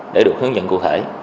để được hướng dẫn cụ thể